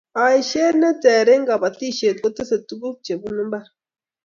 aishet ne ter eng' kabatishiet kotese tuguk chebunu mbar